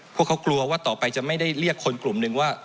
พวกเขากลัวว่าต่อไปจะไม่ได้เรียกคนกลุ่มหนึ่งว่า